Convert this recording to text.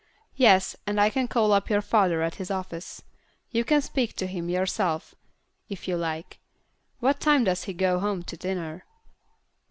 "Yes, and I can call up your father at his office. You can speak to him yourself, if you like. What time does he go home to dinner?"